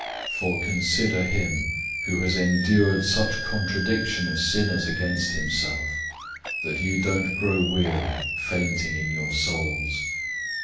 012:003 For consider him who has endured such contradiction of sinners against himself, that you don't grow weary, fainting in your souls.